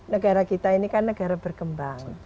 negara kita ini kan negara berkembang